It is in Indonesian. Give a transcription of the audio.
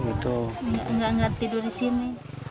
enggak tidur di sini